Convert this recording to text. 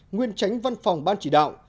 nguyên tránh văn phòng ban chỉ đạo